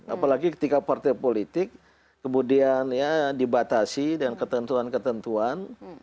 apalagi ketika partai politik kemudian ya dibatasi dengan ketentuan ketentuan